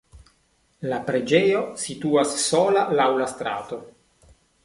La preĝejo situas sola laŭ la strato.